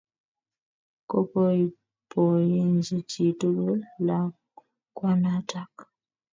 Kopoipoenji chi tukul lakwanatak